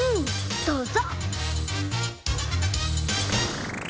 どうぞ！